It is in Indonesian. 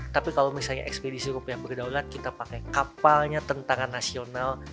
tapi kalau misalnya ekspedisi rupiah berdaulat kita pakai kapalnya tentara nasional